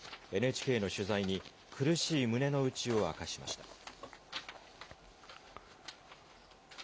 ＮＨＫの取材に、苦しい胸の内を明かしました。